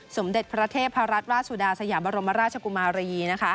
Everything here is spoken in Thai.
สมเด็จประเทศพระราชวาสุดาสยาบรมราชกุมารยี